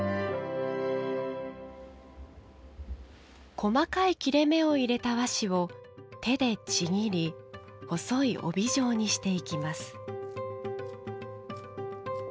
細かい切れ目を入れた和紙を手でちぎり細い帯状にしていきます。